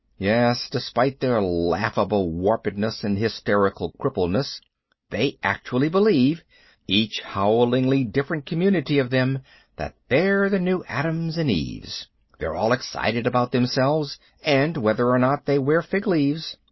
Yes, despite their laughable warpedness and hysterical crippledness, they actually believe each howlingly different community of them that they're the new Adams and Eves. They're all excited about themselves and whether or not they wear fig leaves.